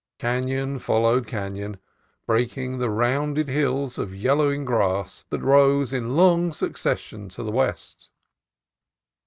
Canon followed canon, breaking the rounded hills of yellowing grass that rose in long succession to the west.